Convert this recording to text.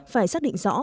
phải xác định rõ